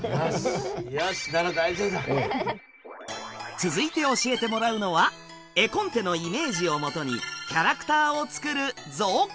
続いて教えてもらうのは絵コンテのイメージをもとにキャラクターを作る「造形」。